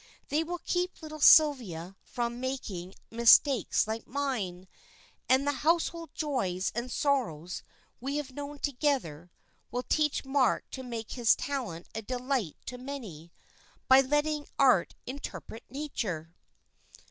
They will keep little Sylvia from making mistakes like mine, and the household joys and sorrows we have known together, will teach Mark to make his talent a delight to many, by letting art interpret nature."